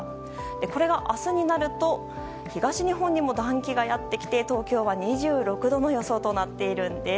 これが明日になると東日本にも暖気がやってきて東京は２６度の予想となっているんです。